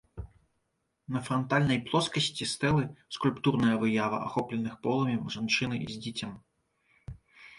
На франтальнай плоскасці стэлы скульптурная выява ахопленых полымем жанчыны з дзіцем.